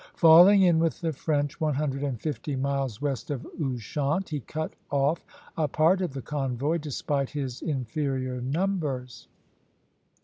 Falling in with the French one hundred and fifty miles west of Ushant, he cut off a part of the convoy, despite his inferior numbers.